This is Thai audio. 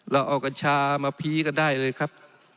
เราเอากัญชามาพีกันได้เลยครับ